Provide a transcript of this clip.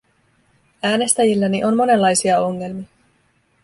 Äänestäjilläni on monenlaisia ongelmia.